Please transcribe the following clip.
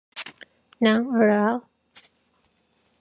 난 알아.